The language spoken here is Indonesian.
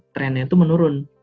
trennya itu menurun